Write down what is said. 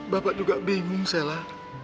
bapak juga bingung sheila